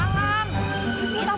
ibu minta bantuan